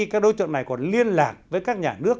các đối tượng này còn liên lạc với các nhà nước